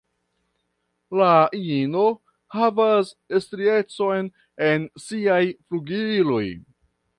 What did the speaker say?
La ino havas striecon en siaj flugiloj.